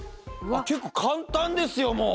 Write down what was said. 結構簡単ですよもう。